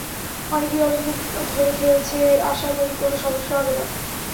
অনেকেই অনেক দিন ধরে খেলছে, আশা করি কোনো সমস্যা হবে না।